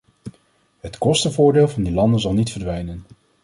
Het kostenvoordeel van die landen zal niet verdwijnen.